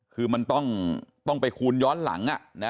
คือมันต้องไปคูณย้อนหลัง